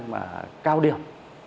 mà cao điểm